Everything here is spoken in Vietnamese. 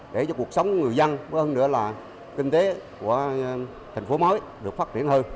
để cho cuộc sống người dân hơn nữa là kinh tế của thành phố mới được phát triển hơn